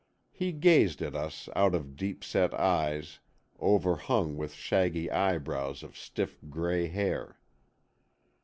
He gazed at us out of deep set eyes overhung with shaggy eyebrows of stiff gray hair.